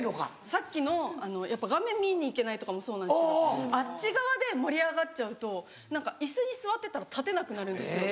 さっきの画面見に行けないとかもそうなんですけどあっち側で盛り上がっちゃうと何か椅子に座ってたら立てなくなるんですよ。